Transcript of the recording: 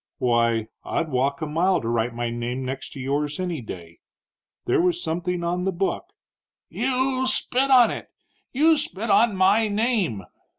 "Why, I'd walk a mile to write my name next to yours any day. There was something on the book " "You spit on it! You spit on my name!"